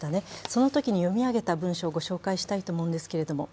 そのときに読み上げた文章をご紹介したいと思います。